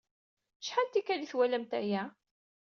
Acḥal n tikkal ay twalamt aya?